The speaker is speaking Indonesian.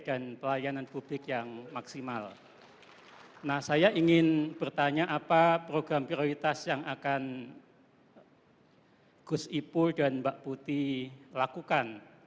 kemudian mengenai performance base birokrasi juga bisa diselesaikan